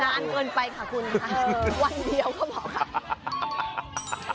นานเกินไปค่ะคุณค่ะวันเดียวก็เหมาะค่ะ